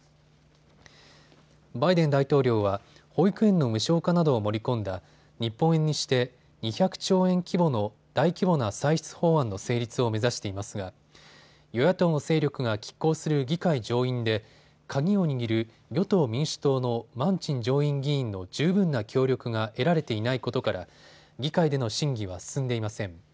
バイデン大統領は保育園の無償化などを盛り込んだ日本円にして２００兆円規模の大規模な歳出法案の成立を目指していますが与野党の勢力がきっ抗する議会上院で鍵を握る与党民主党のマンチン上院議員の十分な協力が得られていないことから議会での審議は進んでいません。